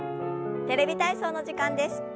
「テレビ体操」の時間です。